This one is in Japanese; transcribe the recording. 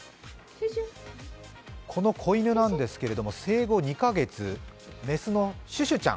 この子犬なんですけれど生後２カ月、雌のシュシュちゃん。